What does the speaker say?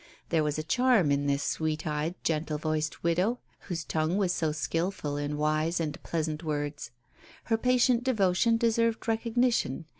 There was a charm in this sweet eyed, gentle voiced widow, whose tongue was so skilful in wise and pleasant words. Her patient devotion deserved recognition.